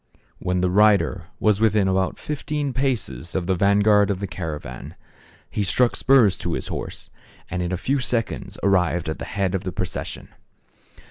When the rider was within about fifteen paces of the vanguard of the caravan, he struck spurs to his horse, and in a few seconds arrived at the head of the procession.